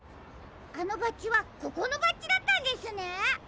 あのバッジはここのバッジだったんですね。